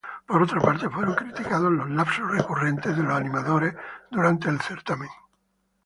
Por otra parte, fueron criticados los "lapsus" recurrentes de los animadores durante el certamen.